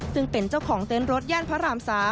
ซึ่งเป็นเจ้าของเต็นต์รถย่านพระราม๓